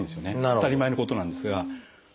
当たり前のことなんですが。